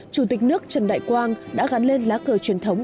chủ tịch nước trần đại quang đã gắn lên lá cờ truyền thống